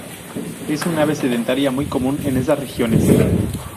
Es un ave sedentaria muy común en esas regiones.